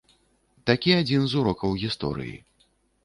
Такі адзін з урокаў гісторыі.